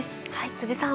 辻さん。